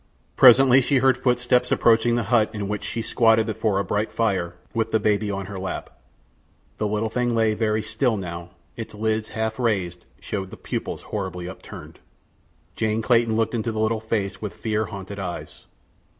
Presently she heard footsteps approaching the hut in which she squatted before a bright fire with the baby on her lap. The little thing lay very still now, its lids, half raised, showed the pupils horribly upturned. Jane Clayton looked into the little face with fear haunted eyes.